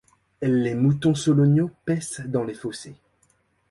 Les moutons solognots paissent dans les fossés.